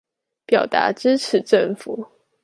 表達支持政府